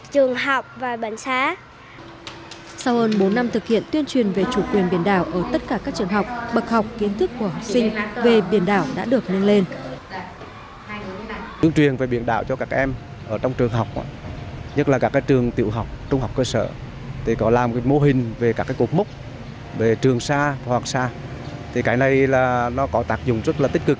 trường sa và hoàng sa là hai quần đảo rất là đẹp có nhiều bãi cát có những trung tâm có đầy đủ